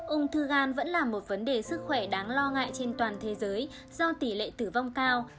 ung thư gan vẫn là một vấn đề sức khỏe đáng lo ngại trên toàn thế giới do tỷ lệ tử vong cao